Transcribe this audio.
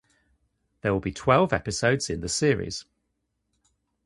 There will be twelve episodes in the series.